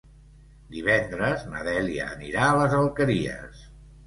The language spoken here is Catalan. Divendres na Dèlia anirà a les Alqueries.